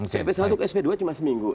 sampai satu ke sp dua cuma seminggu